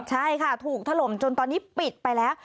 ใช่ค่ะถูกถล่มจนตอนนี้ปิดไปแล้ว